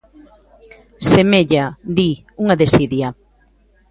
Semella, di, "unha desidia".